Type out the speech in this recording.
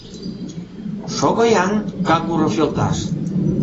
Шого-ян, Кагуров йолташ...